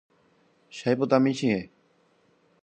Che aipota michĩve.